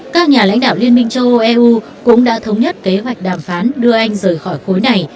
các nhà lãnh đạo liên minh châu âu eu cũng đã thống nhất kế hoạch đàm phán đưa anh rời khỏi khối này